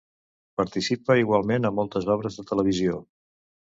Participa igualment a moltes obres de televisió.